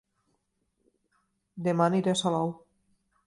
Dema aniré a Salou